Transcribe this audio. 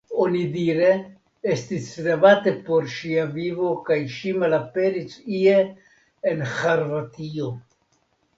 Onidire estis strebate por ŝia vivo kaj ŝi malaperis ie en Ĥarvatio.